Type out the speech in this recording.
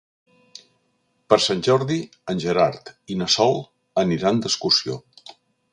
Per Sant Jordi en Gerard i na Sol aniran d'excursió.